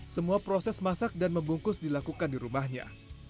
semua proses masak dan membungkus dilakukan di rumahnya